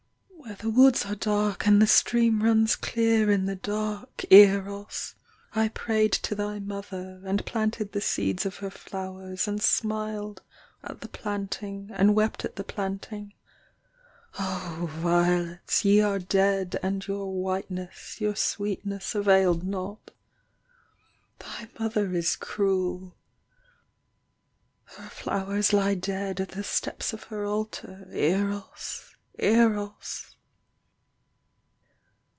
Where the woods are dark and the stream runs clear in the dark, Eros! I prayed to thy mother and planted the seeds of her flowers, And smiled at the planting and wept at the plant ing. Oh, violets Ye are dead and your whiteness, your sweetness, availed not. Thy mother Is cruel. Her flowers lie dead at the steps of her altar, Eros ! Eros